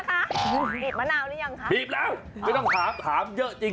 บีบมะนาวหรือยังคะบีบแล้วไม่ต้องถามถามเยอะจริง